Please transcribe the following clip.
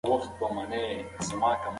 آیا د انسان چلند د وړاندوینې وړ دی؟